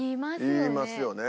いますよね。